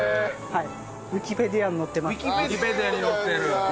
はい。